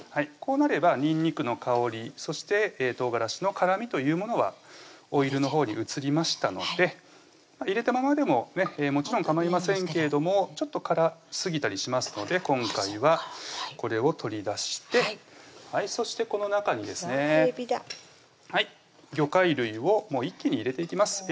こうなればにんにくの香りそして唐辛子の辛みというものはオイルのほうに移りましたので入れたままでももちろんかまいませんけれどもちょっと辛すぎたりしますので今回はこれを取り出してそしてこの中にですねさぁえびだ魚介類を一気に入れていきます